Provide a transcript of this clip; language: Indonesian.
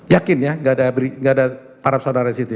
yakin ya gak ada paraf saudara disitu ya